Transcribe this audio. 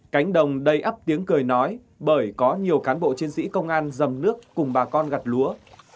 cánh đồng đầy ấp tiếng cười nói bởi có nhiều cán bộ chiến sĩ công an dầm nước cùng bà con gặt lúa